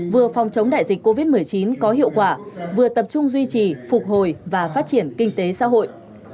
vừa phòng chống đại dịch covid một mươi chín có hiệu quả vừa tập trung duy trì phục hồi và phát triển kinh tế xã hội